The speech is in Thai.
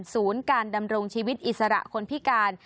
ศูนย์การดำรงชีวิตอิสระคนพิการ